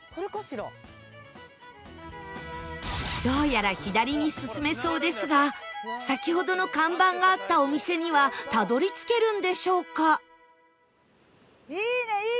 どうやら左に進めそうですが先ほどの看板があったお店にはたどり着けるんでしょうか？